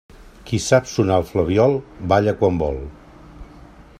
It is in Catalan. Qui sap sonar el flabiol, balla quan vol.